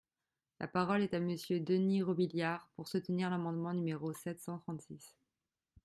La parole est à Monsieur Denys Robiliard, pour soutenir l’amendement numéro sept cent trente-six.